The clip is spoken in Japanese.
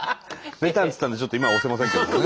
「ベタン」っつったんでちょっと今押せませんけどもね。